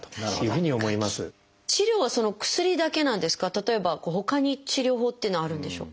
例えばほかに治療法っていうのはあるんでしょうか？